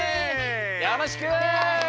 よろしく！